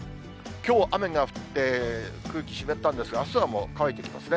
きょう、雨が降って、空気、湿ったんですが、あすはもう乾いてきますね。